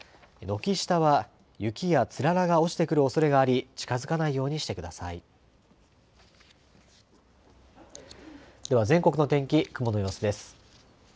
軒下は雪やつららが落ちてくるおそれがあり近づかないようにしてください。では全国の天気、雲の様子です。